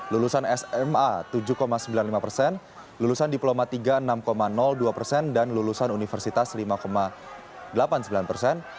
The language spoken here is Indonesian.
lulusan sma tujuh sembilan puluh lima persen lulusan diploma tiga enam dua persen dan lulusan universitas lima delapan puluh sembilan persen